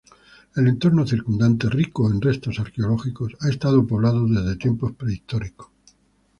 El entorno circundante, rico en restos arqueológicos, ha estado poblado desde tiempos prehistóricos.